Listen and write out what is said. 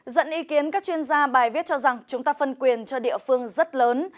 dẫn ý kiến các chuyên gia bài viết cho rằng chúng ta phân quyền cho địa phương rất lớn